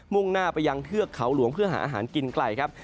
่งหน้าไปยังเทือกเขาหลวงเพื่อหาอาหารกินไกลครับ